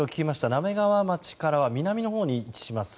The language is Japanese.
滑川町からは南のほうに位置します